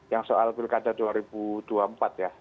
yang soal pilkada dua ribu dua puluh empat ya